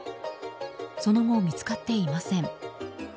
その後、見つかっていません。